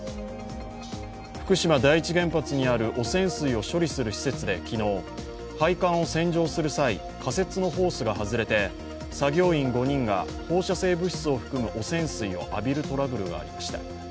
福島第一原発にある汚染水を処理する施設で昨日、配管を洗浄する際、仮設のホースが外れて作業員５人が放射性物質を含む汚染水を浴びるトラブルがありました。